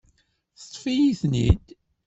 Teṭṭef-iyi-ten-id.